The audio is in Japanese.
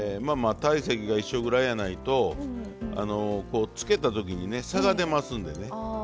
まあまあ体積が一緒ぐらいやないとつけた時にね差が出ますんでね。